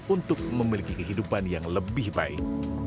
untuk memiliki kehidupan yang lebih baik